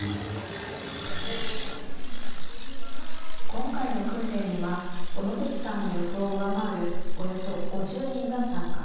今回の訓練には小野関さんの予想を上回るおよそ５０人が参加。